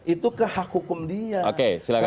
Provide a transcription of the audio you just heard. itu ke hak hukum dia